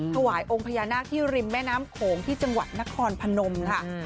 ถวายองค์พญานาคที่ริมแม่น้ำโขงที่จังหวัดนครพนมค่ะ